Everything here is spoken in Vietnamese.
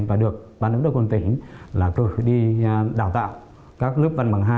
và được ban giám đốc quân tỉnh là cử đi đào tạo các lớp văn bằng hai